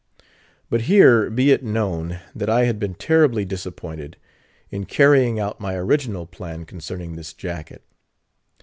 But here be it known, that I had been terribly disappointed in carrying out my original plan concerning this jacket.